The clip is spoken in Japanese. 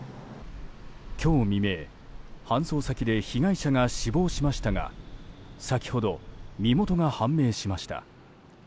今日未明、搬送先で被害者が死亡しましたが先ほど、身元が判明しました。